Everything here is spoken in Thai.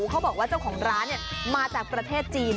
เขาบอกว่าเจ้าของร้านมาจากประเทศจีน